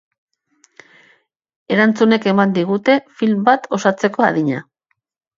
Erantzunek eman digute film bat osatzeko adina.